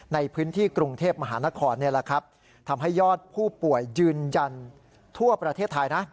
ในพื้นที่กรุงเทพมหานครทำให้ยอดผู้ป่วยยืนยันทั่วประเทศไทยนะ